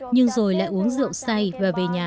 nhưng rồi lại uống rượu say và về nhà